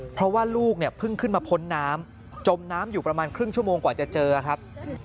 เพราะว่าลูกเนี่ยเพิ่งขึ้นมาพ้นน้ำจมน้ำอยู่ประมาณครึ่งชั่วโมงกว่าจะเจอครับ